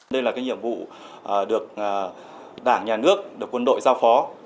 đây là cái nhiệm vụ được đảng nhà nước được quân đội giao phó